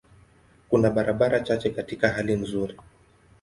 Kuna barabara chache katika hali nzuri.